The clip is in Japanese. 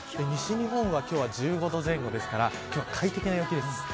西日本は今日は１５度前後ですから今日は快適な陽気です。